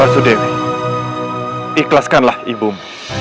barsudewi ikhlaskanlah ibumu